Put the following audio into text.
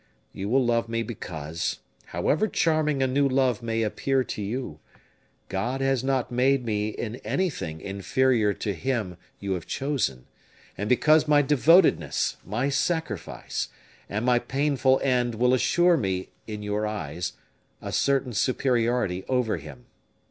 You will love me, because, however charming a new love may appear to you, God has not made me in anything inferior to him you have chosen, and because my devotedness, my sacrifice, and my painful end will assure me, in your eyes, a certain superiority over him.